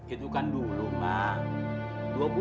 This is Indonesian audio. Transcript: itu kan dulu mak